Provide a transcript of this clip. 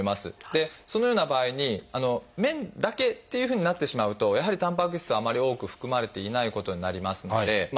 でそのような場合に麺だけっていうふうになってしまうとやはりたんぱく質はあまり多く含まれていないことになりますのでそれに加えてですね